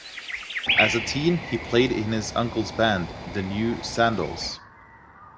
As a teen he played in his uncle's band, the New Sandells.